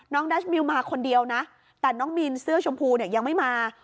ดัชมิวมาคนเดียวนะแต่น้องมีนเสื้อชมพูเนี่ยยังไม่มา